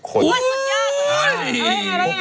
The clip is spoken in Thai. เฮ้ยสุดยาก